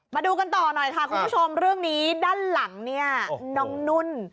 มาดูกันต่อหน่อยค่ะคุณผู้ชมเรื่องนี้ด้านหลังเนี่ยน้องนุ่น